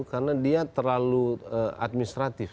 karena dia terlalu administratif